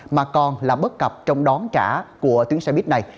mà còn là bất cập trong đón trả của tuyến xe buýt này